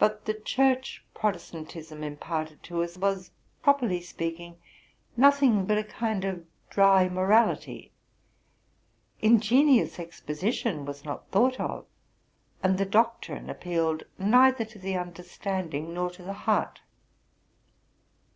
But the Church Protestantism imparted to us was, properly speaking, nothing but a kind of dry morality : ingen ious exposition was not thought of, and the doctrine appealed neither to the understanding nor to the heart.